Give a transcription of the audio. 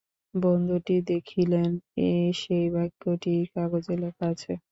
বন্ধুটি দেখিলেন, সেই বাক্যটিই কাগজে লেখা আছে।